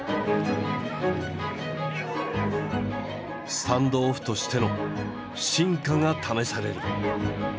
スタンドオフとしての真価が試される。